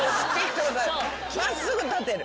真っすぐ立てる。